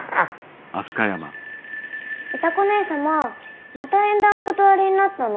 歌子姉さままた縁談お断りになったの？